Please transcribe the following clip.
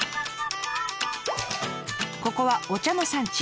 ここはお茶の産地。